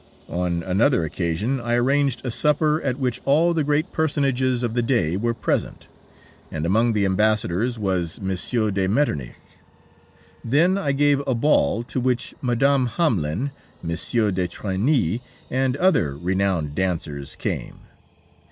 On another occasion I arranged a supper at which all the great personages of the day were present, and among the ambassadors was M. de Metternich. Then I gave a ball, to which Mme. Hamelin, M. de Trénis, and other renowned dancers came.